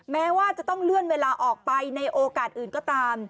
แม้ว่าจะต้องเลื่อนเวลาออกไปในโอกาสอื่นก็ตาม